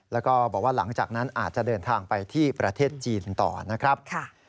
แล้วก็บอกว่าหลังจากนั้นอาจจะเดินทางไปที่ประเทศจีนต่อนะครับ